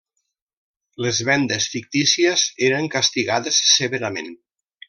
Les vendes fictícies eren castigades severament.